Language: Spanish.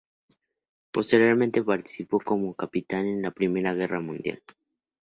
Posteriormente participó como capitán en la Primera Guerra Mundial.